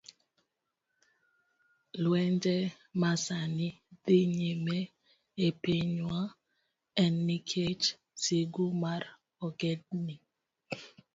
Lwenje ma sani dhi nyime e pinywa, en nikech sigu mar ogendni